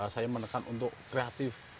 saya menekan untuk kreatif